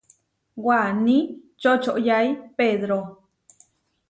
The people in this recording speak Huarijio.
Waní čočoyái Pedró.